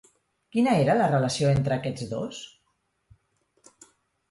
Quina era la relació entre aquests dos?